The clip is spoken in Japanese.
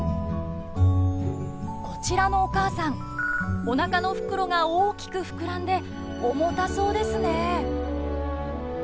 こちらのお母さんおなかの袋が大きく膨らんで重たそうですね。